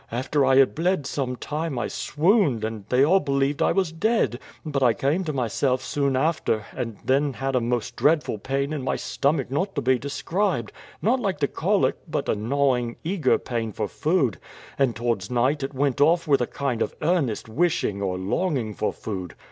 After I had bled some time I swooned, and they all believed I was dead; but I came to myself soon after, and then had a most dreadful pain in my stomach not to be described not like the colic, but a gnawing, eager pain for food; and towards night it went off with a kind of earnest wishing or longing for food.